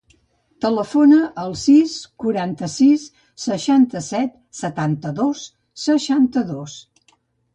Telefona al sis, quaranta-sis, seixanta-set, setanta-dos, seixanta-dos.